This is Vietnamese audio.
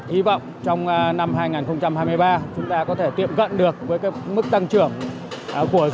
hy vọng trong năm hai nghìn hai mươi ba chúng ta có thể tiếp cận được với mức tăng trưởng của thành phố đà nẵng